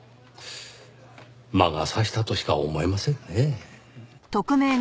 魔が差したとしか思えませんねぇ。